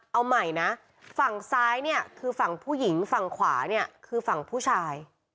เอาใหม่นะฝั่งซ้ายเนี่ยคือฝั่งผู้หญิงฝั่งขวาเนี่ยคือฝั่งผู้ชาย